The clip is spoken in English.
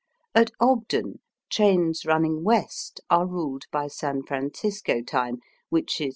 At Ogden, trains running west are ruled by San Francisco time, which is 3h.